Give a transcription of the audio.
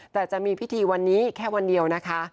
แต่จะมีพิธีวันนี้แค่วันเดียวนะคะ